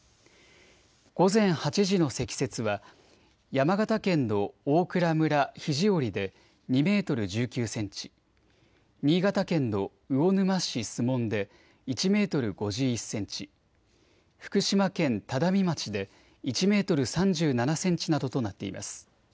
午前８時の積雪は山形県の大蔵村肘折で２メートル１９センチ、新潟県の魚沼市守門で１メートル５１センチ、福島県只見町で１メートル３７センチなどとなっています。